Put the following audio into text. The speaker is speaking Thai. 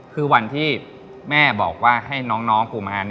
คือวันที่แม่บอกว่าให้น้องกุมาร